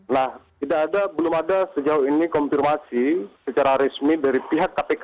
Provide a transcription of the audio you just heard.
nah belum ada sejauh ini konfirmasi secara resmi dari pihak kpk